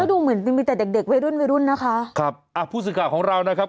ดูเหมือนมีแต่เด็กเด็กวัยรุ่นวัยรุ่นนะคะครับอ่ะผู้สื่อข่าวของเรานะครับ